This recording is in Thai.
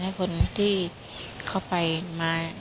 ให้คนที่เข้าไปมา